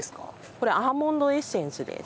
これアーモンドエッセンスです。